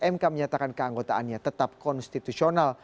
mk menyatakan keanggotaannya tetap konstitusional